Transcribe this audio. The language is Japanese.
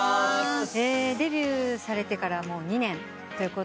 デビューされてから２年と。